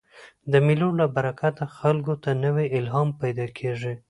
د مېلو له برکته خلکو ته نوی الهام پیدا کېږي.